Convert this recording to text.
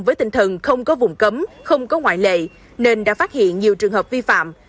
với tinh thần không có vùng cấm không có ngoại lệ nên đã phát hiện nhiều trường hợp vi phạm